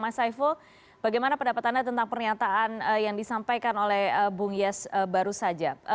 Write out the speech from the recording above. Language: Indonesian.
mas saiful bagaimana pendapat anda tentang pernyataan yang disampaikan oleh bung yes baru saja